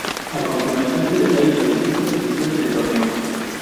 A continuación se detallan las distintas ediciones del torneo.